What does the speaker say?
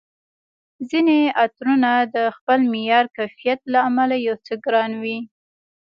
ځیني عطرونه د خپل معیار، کیفیت له امله یو څه ګران وي